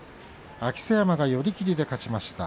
明瀬山が寄り切りで勝ちました。